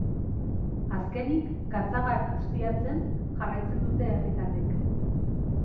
Azkenik gatzagak ustiatzen jarraitzen dute herritarrek.